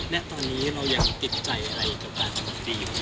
และตอนนี้เรายังติดใจอะไรกับการทำภาษณ์ฟรีอยู่ใส่